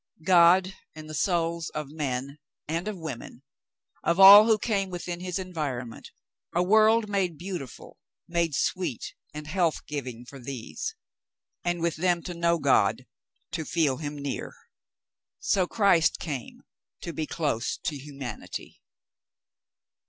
God and the souls of men and of women — of all who came within his environment — a world made beautiful, made sweet and health giving for these — and with them to know God, to feel Him near. So Christ came to be close to humanity.